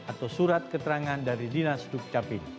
atau surat keterangan dari dinas dukcapil